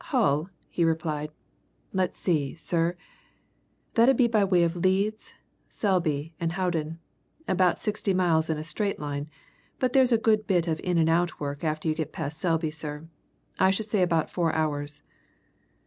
"Hull?" he replied. "Let's see, sir that 'ud be by way of Leeds, Selby, and Howden. About sixty miles in a straight line, but there's a good bit of in and out work after you get past Selby, sir. I should say about four hours."